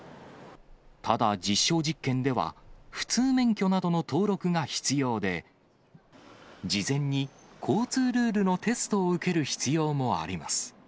ただ、実証実験では普通免許などの登録が必要で、事前に交通ルールのテストを受ける必要もあります。